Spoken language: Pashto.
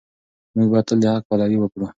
موږ باید تل د حق پلوي وکړو.